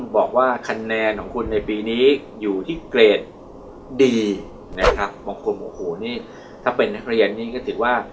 บอกว่าคะแนนของคุณในปีนี้อยู่ที่เกรดดีนะครับบางคนโอ้โหนี่ถ้าเป็นนักเรียนนี่ก็ถือว่า